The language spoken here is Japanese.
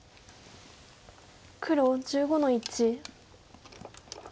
黒１５の一。